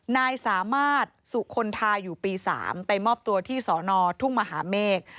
นายสามารถสุคลทาอยู่ปี๓ไปมอบตัวที่สอนอทุ่งมหาเมฆ